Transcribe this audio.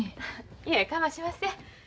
いえかましません。